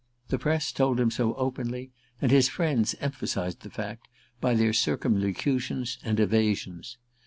The press told him so openly, and his friends emphasized the fact by their circumlocutions and evasions.